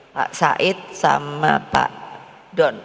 pak said sama pak don